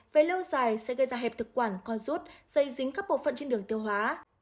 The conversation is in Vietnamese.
về lâu dài sẽ gây ra hẹp thực quản con rút xây dính các bộ phận trên đường tiêu hóa